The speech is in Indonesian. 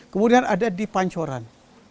kemudian ada di pancoran